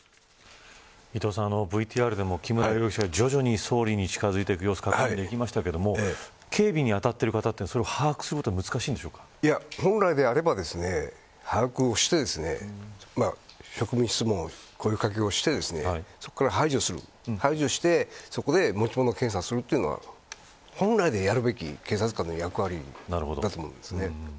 伊藤さん、ＶＴＲでも木村容疑者徐々に総理に近づいていく様子が確認できましたが警備に当たっている方はそれを把握することは本来であれば把握して職務質問や声掛けをしてそこから排除してそこで持ち物検査をするというのが本来のやるべき警察官の役割だと思います。